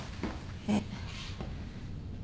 えっ？